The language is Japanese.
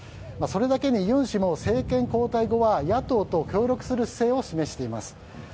それだけにユン氏も政権交代後は野党と協力する姿勢を示しています。